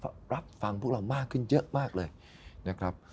ก็รับฟังพวกเรามากขึ้นเยอะมากเลยนะครับ